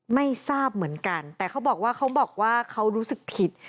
ไม่ทราบเหมือนกันแต่เขาบอกว่าเขาบอกว่าเขารู้สึกผิด